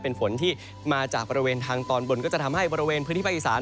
เป็นฝนที่มาจากบริเวณทางตอนบนก็จะทำให้บริเวณพื้นที่ภาคอีสาน